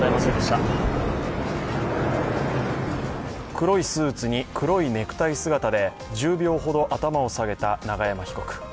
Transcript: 黒いスーツに黒いネクタイ姿で１０秒ほど頭を下げた永山被告。